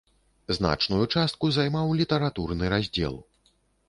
Значную частку займаў літаратурны раздзел.